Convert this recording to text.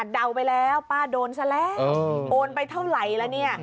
ดาวไปแล้วป้าโดนแสรแรกโอนไปเท่าไหร่แล้ว